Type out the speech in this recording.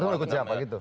itu mau ikut siapa gitu